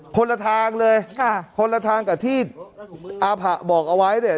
คนละทางเลยค่ะคนละทางกับที่อาผะบอกเอาไว้เนี่ย